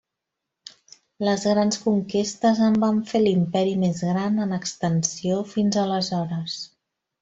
Les grans conquestes en van fer l'imperi més gran en extensió fins aleshores.